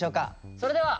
それでは。